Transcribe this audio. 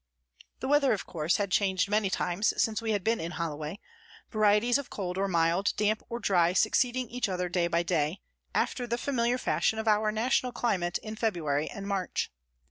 The weather, of course, had changed many times since we had been in Holloway, varieties of cold or mild, damp or dry succeeding each other day by day, after the familiar fashion of our national climate in February and March.